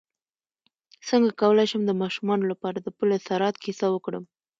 څنګه کولی شم د ماشومانو لپاره د پل صراط کیسه وکړم